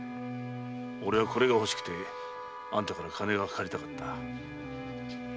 俺はこれが欲しくてあんたから金が借りたかった。